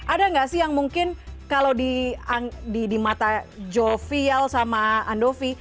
ada nggak sih yang mungkin kalau di mata jovial sama andovi